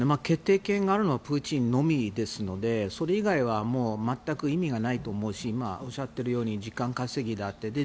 決定権があるのはプーチンのみですのでそれ以外は全く意味がないと思うしおっしゃっているように時間稼ぎだと。